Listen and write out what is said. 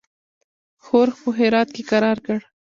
ښورښ په هرات کې کرار کړ.